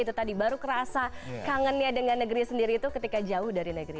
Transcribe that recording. itu tadi baru kerasa kangennya dengan negeri sendiri itu ketika jauh dari negeri